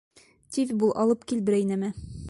Тиҙ бул, алып кил берәй нәмә!